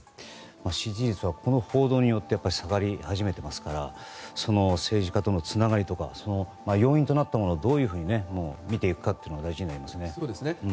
支持率はこの報道によって下がり始めていますから政治家とのつながりとかその要因となったものをどういうふうに見ていくかが大事になりますね。